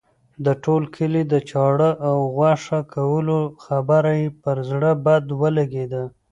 د ټول کلي د چاړه او غوښه کولو خبره یې پر زړه بد ولګېده.